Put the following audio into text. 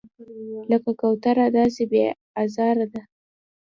لکه کوتره داسې بې آزاره دی.